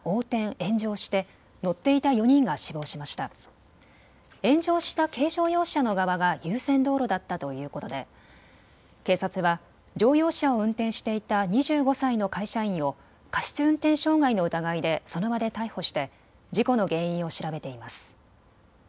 炎上した軽乗用車の側が優先道路だったということで警察は乗用車を運転していた２５歳の会社員を過失運転傷害の疑いでその場で逮捕して事故の原因を調べています。